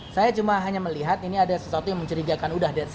saya cuma hanya melihat ini ada sesuatu yang menceritakan udah dead set